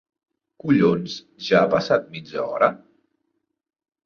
Collons, ja ha passat mitja hora?